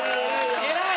偉い！